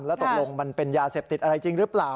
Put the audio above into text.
แล้วตกลงมันเป็นยาเสพติดอะไรจริงหรือเปล่า